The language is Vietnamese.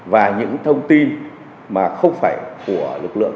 và những thông tin mà không phải của lực lượng